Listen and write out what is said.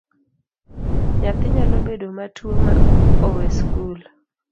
Nyathi nyalo bedo matuwo ma owe skul.